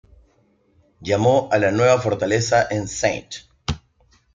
Llamó a la nueva fortaleza en St.